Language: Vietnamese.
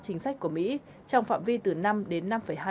chính sách của mỹ trong phạm vi từ năm đến năm hai mươi năm